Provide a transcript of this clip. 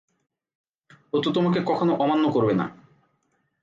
ও তো তোমাকে কখনো অমান্য করবে না।